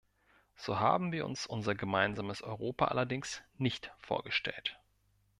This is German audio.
So haben wir uns unser gemeinsames Europa allerdings nicht vorgestellt.